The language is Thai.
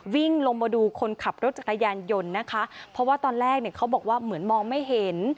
วิ่งลงมาดูคนขับรถจักรยานยนต์นะคะเพราะว่าตอนแรกเนี่ยเขาบอกว่าเหมือนมองไม่เห็น